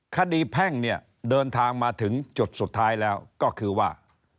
แพ่งเนี่ยเดินทางมาถึงจุดสุดท้ายแล้วก็คือว่า